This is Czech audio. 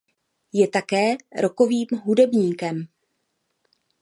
Je také rockovým hudebníkem.